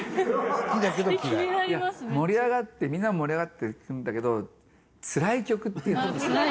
盛り上がってみんなも盛り上がってるんだけどつらい曲っていうのかな？